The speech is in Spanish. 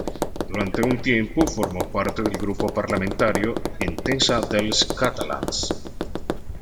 Durante un tiempo, formó parte del grupo parlamentario Entesa dels Catalans.